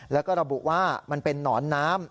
แล้วก็ระบุว่ามันเป็นหนอนน้ำ